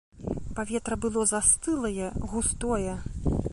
Паветра было застылае, густое.